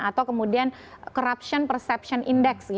atau kemudian corruption perception index